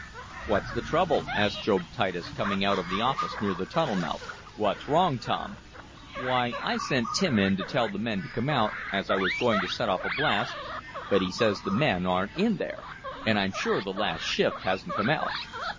"What's the trouble?" asked Job Titus, coming out of the office near the tunnel mouth. "What's wrong, Tom?" "Why, I sent Tim in to tell the men to come out, as I was going to set off a blast, but he says the men aren't in there. And I'm sure the last shift hasn't come out."